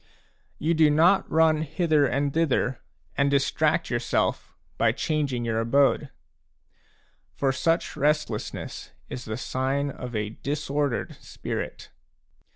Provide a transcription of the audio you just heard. You do not run hither and thither and distract yourself by changing your abode ; for such restlessness is the sign of a disordered spirit.